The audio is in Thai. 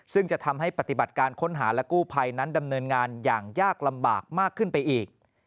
ซึ่งจะทำให้ปฏิบัติการค้นหาและกู้ภัยนั้นดำเนินงานอย่างยากลำบากมากขึ้นไปอีก